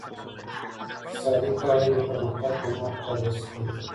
اقتصادي قوانين د پرمختګ په موخه تعديل سوي دي.